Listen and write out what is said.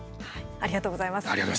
ありがとうございます。